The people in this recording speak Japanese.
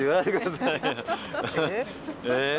え？